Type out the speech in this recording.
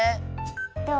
どう？